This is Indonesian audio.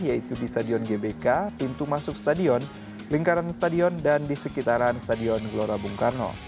yaitu di stadion gbk pintu masuk stadion lingkaran stadion dan di sekitaran stadion gelora bung karno